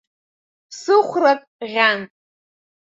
Сыхәрак ӷьан.